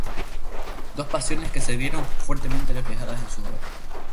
Dos pasiones que se vieron fuertemente reflejadas en sus obras.